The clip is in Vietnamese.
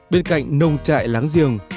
bên cạnh nông trại láng giềng